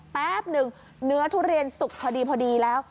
แป๊บหนึ่งเนื้อทุเรียนสุกพอดีแล้ว